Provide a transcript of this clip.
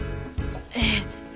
ええ。